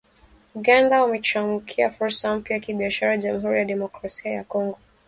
Uganda wamechangamkia fursa mpya za kibiashara Jamuhuri ya Demokrasia ya Kongo